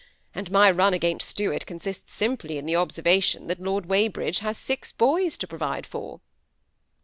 And my run against Stuart consists simply in the observation that Lord Weybridge has six boys to provide for."